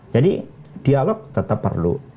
jadi dialog tetap berlaku